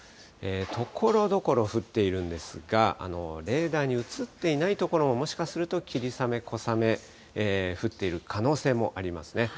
ところどころ降っているんですが、レーダーに映っていない所も、もしかすると霧雨、小雨、降っている可能性もありますね。